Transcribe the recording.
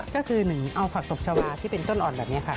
ก็คือ๑เอาผักตบชาวาที่เป็นต้นอ่อนแบบนี้ค่ะ